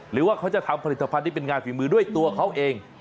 หรือว่าเขาจะทำผลิตภัณฑ์ที่เป็นงานฝีมือด้วยตัวเขาเอง